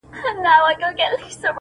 څوك وتلى په شل ځله تر تلك دئ؛